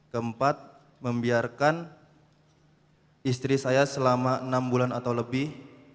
keempat membiarkan istri saya selama enam bulan atau lebih